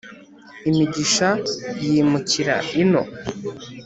imigisha yimukira ino.